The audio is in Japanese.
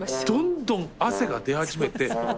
どんどん汗が出始めて。